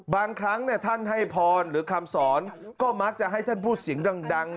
บางครั้งท่านให้พรหรือคำสอนก็มักจะให้ท่านพูดเสียงดัง